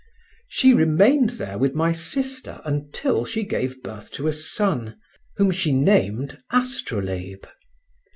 She remained there with my sister until she gave birth to a son, whom she named Astrolabe.